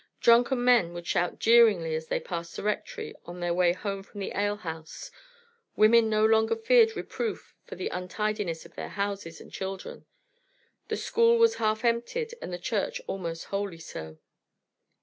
Drunken men would shout jeeringly as they passed the Rectory on their way home from the alehouse; women no longer feared reproof for the untidiness of their houses and children; the school was half emptied and the church almost wholly so.